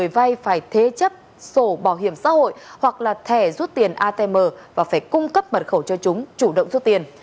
phải thế chấp sổ bảo hiểm xã hội hoặc là thẻ rút tiền atm và phải cung cấp mật khẩu cho chúng chủ động rút tiền